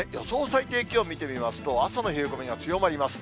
最低気温を見てみますと、朝の冷え込みが強まります。